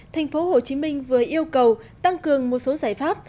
tp hcm vừa yêu cầu tăng cường một số giải pháp